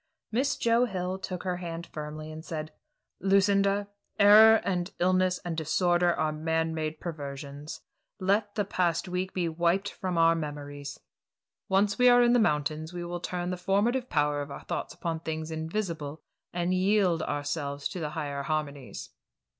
Miss Joe Hill took her hand firmly and said: "Lucinda, error and illness and disorder are man made perversions. Let the past week be wiped from our memories. Once we are in the mountains we will turn the formative power of our thoughts upon things invisible, and yield ourselves to the higher harmonies."